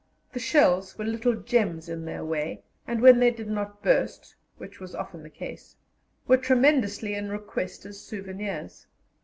The shells were little gems in their way, and when they did not burst, which was often the case, were tremendously in request as souvenirs.